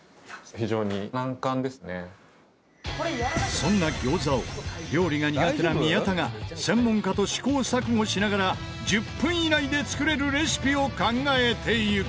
そんな餃子を料理が苦手な宮田が専門家と試行錯誤しながら１０分以内で作れるレシピを考えていく。